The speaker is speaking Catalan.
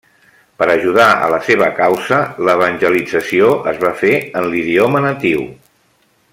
Per ajudar a la seva causa, l'evangelització es va fer en l'idioma natiu.